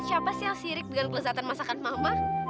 siapa sih yang sirik dengan kelezatan masakan mama